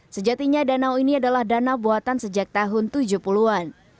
sejatinya danau ini adalah dana buatan sejak tahun tujuh puluh an